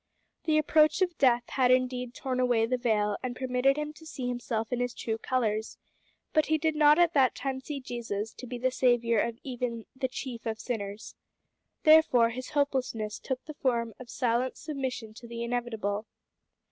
The approach of death had indeed torn away the veil and permitted him to see himself in his true colours, but he did not at that time see Jesus to be the Saviour of even "the chief of sinners." Therefore his hopelessness took the form of silent submission to the inevitable.